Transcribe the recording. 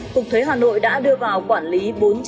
cục thuế hà nội đã đưa vào quản lý